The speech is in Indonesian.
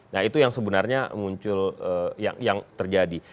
nah itu yang sebenarnya muncul yang terjadi